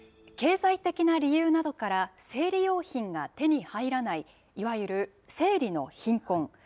経済的な理由などから、生理用品が手に入らない、いわゆる生理の貧困。